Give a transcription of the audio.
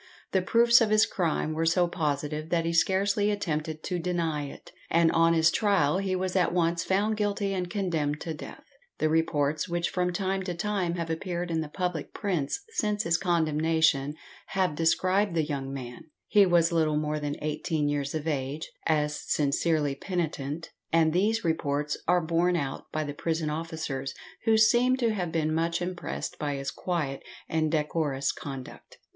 The proofs of his crime were so positive that he scarcely attempted to deny it, and on his trial he was at once found guilty and condemned to death. The reports which from time to time have appeared in the public prints since his condemnation have described the young man he was little more than eighteen years of age as sincerely penitent, and these reports are borne out by the prison officers, who seemed to have been much impressed by his quiet and decorous conduct.